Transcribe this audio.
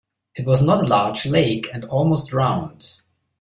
It was not a large lake, and almost round.